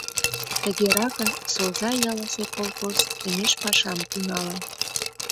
Тыгеракын Соза ялысе колхоз кеҥеж пашам тӱҥалын.